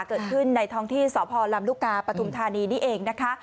เกิดขึ้นในท้องที่สพลำลูกกาปฐุมธานีนี่เองนะคะ